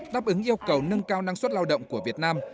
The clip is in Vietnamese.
đáp ứng yêu cầu nâng cao năng suất lao động của việt nam